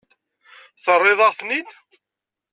Terriḍ-aɣ-ten-id.